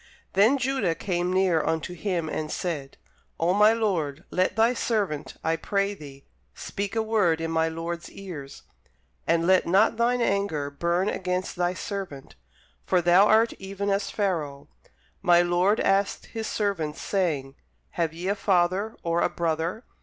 Then Judah came near unto him, and said, Oh my lord, let thy servant, I pray thee, speak a word in my lord's ears, and let not thine anger burn against thy servant: for thou art even as Pharaoh. My lord asked his servants, saying, Have ye a father, or a brother?